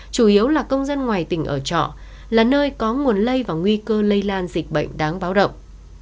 chủ yếu là công dân ngoài tỉnh ở trọ là nơi có nguồn lây và nguy cơ lây lan dịch bệnh đáng báo động